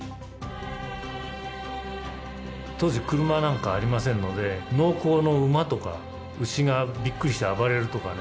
当時車なんかありませんので農耕の馬とか牛がビックリして暴れるとかね。